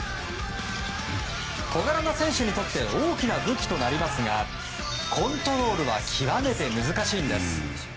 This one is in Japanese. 小柄な選手にとって大きな武器となりますがコントロールは極めて難しいんです。